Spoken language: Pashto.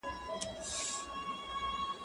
واښه راوړه؟!